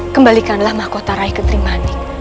kembalikanlah mahkota rai ketrimanik